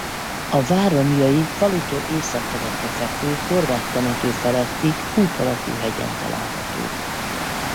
A vár romjai falutól északkeletre fekvő horvát temető feletti kúp alakú hegyen találhatók.